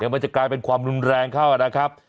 มันจะกลายเป็นความรุนแรงเข้านะครับ